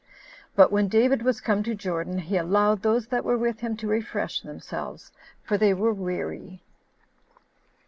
But when David was come to Jordan, he allowed those that were with him to refresh themselves; for they were weary.